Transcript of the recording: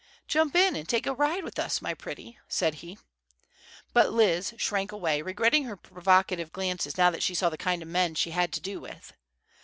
"Jump in and take a ride with us, my pretty," said he. But Liz shrank away, regretting her provocative glances now that she saw the kind of men she had to do with.